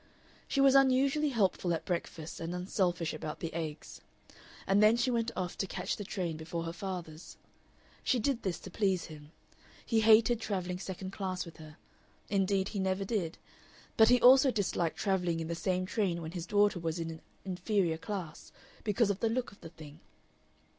She was unusually helpful at breakfast, and unselfish about the eggs: and then she went off to catch the train before her father's. She did this to please him. He hated travelling second class with her indeed, he never did but he also disliked travelling in the same train when his daughter was in an inferior class, because of the look of the thing.